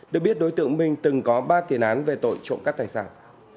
được biết đối tượng minh từng có ba tiền án về tội trộm cắt tài sản